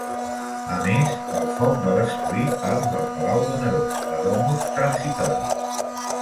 A més, el foc va destruir parts del palau de Neró, la Domus Transitoria.